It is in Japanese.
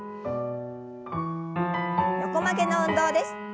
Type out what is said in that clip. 横曲げの運動です。